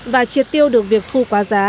và triệt tiêu được việc thu quá giá